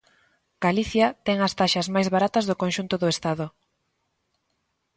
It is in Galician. Galicia ten as taxas máis baratas do conxunto do Estado.